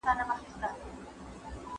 ایا لار خلاصه ده؟